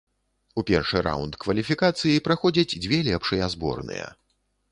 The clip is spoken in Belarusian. У першы раўнд кваліфікацыі праходзяць дзве лепшыя зборныя.